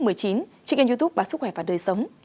trên kênh youtube bác sức khỏe và đời sống